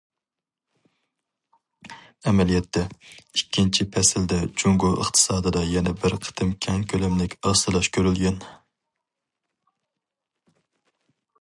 ئەمەلىيەتتە، ئىككىنچى پەسىلدە جۇڭگو ئىقتىسادىدا يەنە بىر قېتىم كەڭ كۆلەملىك ئاستىلاش كۆرۈلگەن.